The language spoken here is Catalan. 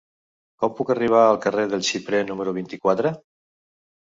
Com puc arribar al carrer del Xiprer número vint-i-quatre?